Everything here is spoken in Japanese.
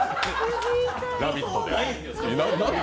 「ラヴィット！」で。